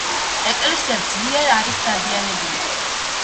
ეკლესია ძლიერ არის დაზიანებული.